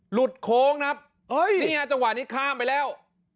หลุดโค้งนะครับนี่จังหวะนี้ข้ามไปแล้ว